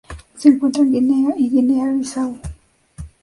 Se encuentra en Guinea y Guinea-Bissau.